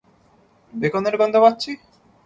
বেকনের গন্ধ পাচ্ছি!